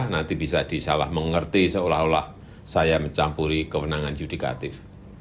nanti bisa disalah mengerti seolah olah saya mencampuri kewenangan yudikatif